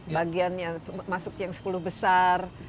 bagian yang masuk yang sepuluh besar